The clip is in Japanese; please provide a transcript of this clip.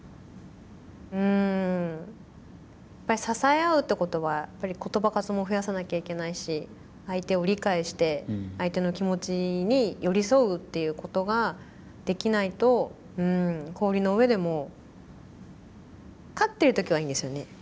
支え合うってことはやっぱり言葉数も増やさなきゃいけないし相手を理解して相手の気持ちに寄り添うっていうことができないと氷の上でも勝ってる時はいいんですよね